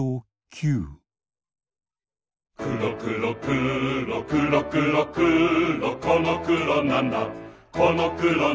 くろくろくろくろくろくろこのくろなんだこのくろなんだ